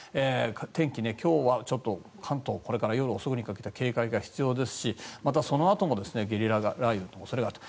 天気、今日は関東これから夜遅くにかけて警戒が必要ですしまたそのあともゲリラ雷雨の恐れがあると。